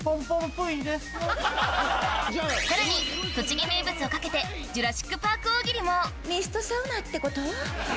さらに栃木名物を懸けてジュラシック・パーク大喜利もミストサウナってこと？